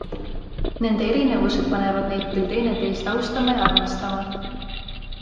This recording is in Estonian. Nende erinevused panevad neid küll teineteist austama ja armastama.